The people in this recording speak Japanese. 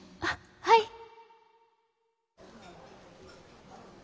あっはい。